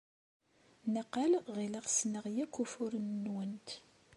Naqal ɣileɣ ssneɣ akk ufuren-nwent.